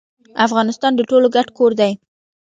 افغانستان د ټولو ګډ کور دی